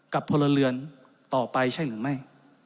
พลเรือนต่อไปใช่หรือไม่